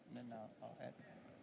sekarang saya akan menambahkan